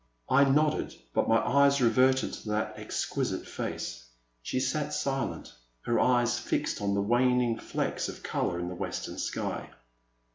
I nodded, but my eyes reverted to that exquisite face. She sat silent, her eyes fixed on the waning flecks of colour in the western sky.